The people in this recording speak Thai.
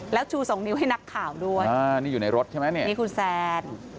แล้วชูสองนิ้วให้นักข่าวด้วยอ่านี่อยู่ในรถใช่ไหมเนี่ยนี่คุณแซน